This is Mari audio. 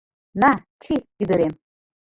На, чий, ӱдырем.